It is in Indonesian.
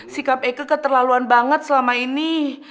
sikap eke keterlaluan banget selama ini